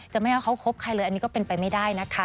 ไม่เอาเขาคบใครเลยอันนี้ก็เป็นไปไม่ได้นะคะ